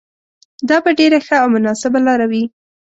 دا به ډېره ښه او مناسبه لاره وي.